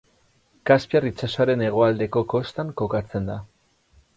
Kaspiar itsasoaren hegoaldeko kostan kokatzen da.